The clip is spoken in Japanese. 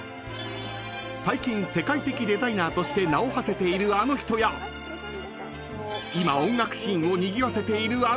［最近世界的デザイナーとして名をはせているあの人や今音楽シーンをにぎわせているあの人も登場！］